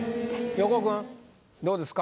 横尾君どうですか？